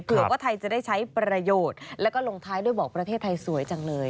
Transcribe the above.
ว่าไทยจะได้ใช้ประโยชน์แล้วก็ลงท้ายด้วยบอกประเทศไทยสวยจังเลย